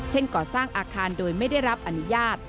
ก่อสร้างอาคารโดยไม่ได้รับอนุญาต